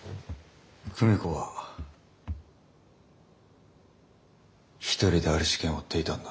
久美子は一人である事件を追っていたんだ。